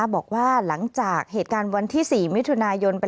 บอกว่าหลังจากเหตุการณ์วันที่๔มิถุนายน